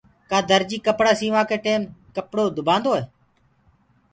ڪآ درجي ڪپڙآ سينوآ ڪي ٽيم ڪپڙو دُبآندوئي